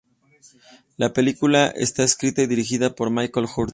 La película está escrita y dirigida por Michael Hurst.